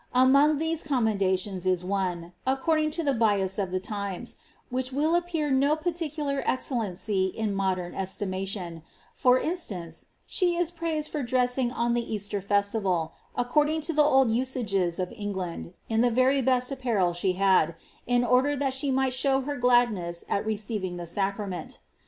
Among these com mendations is one, according to the bias of the times, which will appear no particular excellency in modem estimation; for instance, she is praised for dressing on the Easter festival, according to the old usages of England, in the very best apparel she liad, in order that she might •how her gladness at receiving the sacrament.